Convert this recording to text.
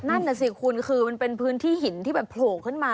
นั่นน่ะสิคุณคือมันเป็นพื้นที่หินที่แบบโผล่ขึ้นมา